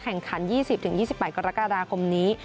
แข่งขัน๒๐๒๘กรกฎาคมนี้